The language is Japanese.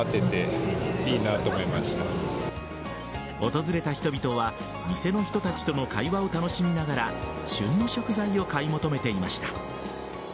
訪れた人々は店の人たちとの会話を楽しみながら旬の食材を買い求めていました。